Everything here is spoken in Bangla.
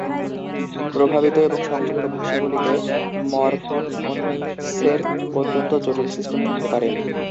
প্রভাবিত এবং সংযুক্ত ভাষাগুলিতে মরফোফোনিকসের অত্যন্ত জটিল সিস্টেম থাকতে পারে।